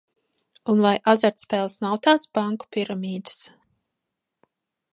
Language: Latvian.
"Un vai azartspēles nav tās "banku piramīdas"?"